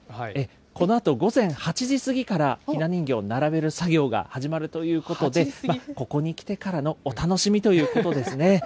このあと午前８時過ぎから、ひな人形並べる作業が始まるということで、ここに来てからのお楽しみということですね。